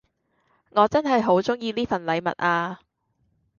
我真係好鍾意呢份禮物呀